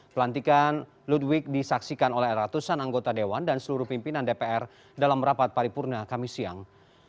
pelantikan ludwig disaksikan oleh ratusan anggota dewan dan seluruh pimpinan dpr dalam rapat paripurna kami siang